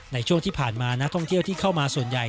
ในช่วงที่ผ่านมานักท่องเที่ยวที่เข้ามาส่วนใหญ่